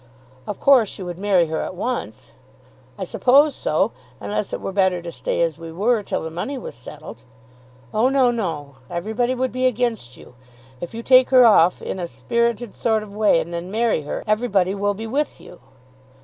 "Of course you would marry her at once." "I suppose so, unless it were better to stay as we were, till the money was settled." "Oh, no; no! Everybody would be against you. If you take her off in a spirited sort of way and then marry her, everybody will be with you.